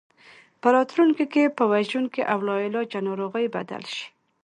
په راتلونکي کې په وژونکي او لاعلاجه ناروغۍ بدل شي.